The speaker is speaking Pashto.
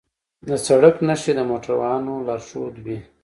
د سړک نښې د موټروانو لارښودوي.